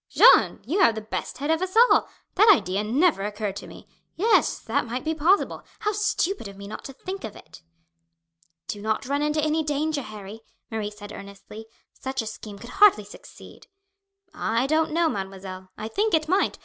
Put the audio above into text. "Jeanne, you have the best head of us all. That idea never occurred to me. Yes, that might be possible. How stupid of me not to think of it!" "Do not run into any danger, Harry," Marie said earnestly. "Such a scheme could hardly succeed." "I don't know, mademoiselle. I think it might.